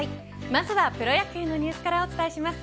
まずはプロ野球のニュースからお伝えします。